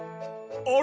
あれ？